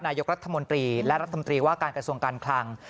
นายกรัฐมนตรีและรัฐมนตรีว่าการกระทรวงการคลัง